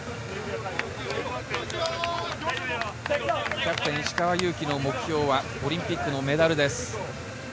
キャプテン・石川祐希の目標はオリンピックのメダルです。